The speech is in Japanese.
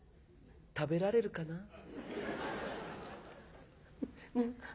食べられるかな？」。